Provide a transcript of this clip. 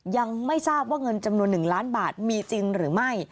ยังไม่ทราบว่าเงินจำนวน๑ล้านบาทมีจริงหรือไม่